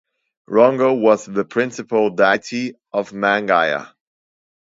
Rongo was the principal deity of Mangaia.